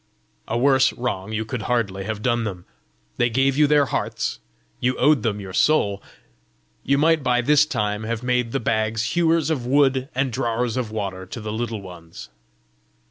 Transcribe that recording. A worse wrong you could hardly have done them. They gave you their hearts; you owed them your soul! You might by this time have made the Bags hewers of wood and drawers of water to the Little Ones!"